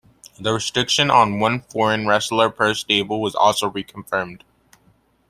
The restriction on one foreign wrestler per stable was also reconfirmed.